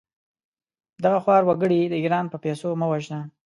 دغه خوار وګړي د ايران په پېسو مه وژنه!